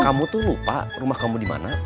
kamu tuh lupa rumah kamu dimana